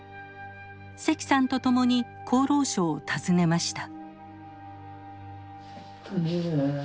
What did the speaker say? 石さんと共に厚労省を訪ねました。